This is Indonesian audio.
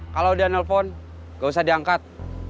kalau dia nelpon gak usah diangkat